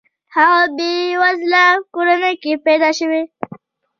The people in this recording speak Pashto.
هغه په بې وزله کورنۍ کې پیدا شوی.